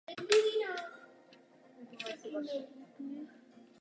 Po absolvování gymnázia vystudoval Vysokou školu zemědělskou v Brně.